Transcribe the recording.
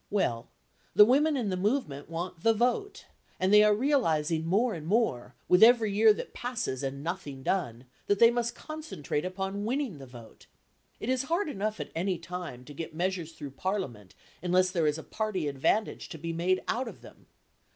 Well, the women in the movement want the vote, and they are realising more and more, with every year that passes and nothing done, that they must concentrate upon winning the vote. It is hard enough at any time to get measures through Parliament unless there is a party advantage to be made out of them.